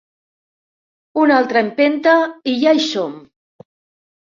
Una altra empenta i ja hi som!